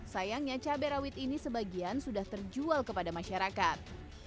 sayangnya cabai rawit ini sebagian sudah terjual kepada masyarakat